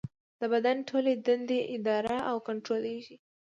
د بدن ټولې دندې اداره او کنټرولېږي.